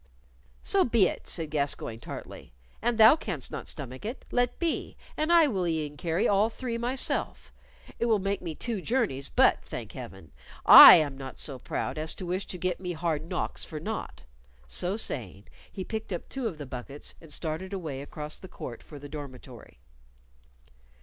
"So be it," said Gascoyne, tartly. "An thou canst not stomach it, let be, and I will e'en carry all three myself. It will make me two journeys, but, thank Heaven, I am not so proud as to wish to get me hard knocks for naught." So saying, he picked up two of the buckets and started away across the court for the dormitory.